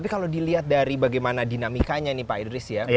tapi kalau dilihat dari bagaimana dinamikanya nih pak idris ya